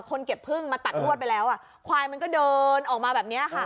เก็บพึ่งมาตัดงวดไปแล้วอ่ะควายมันก็เดินออกมาแบบนี้ค่ะ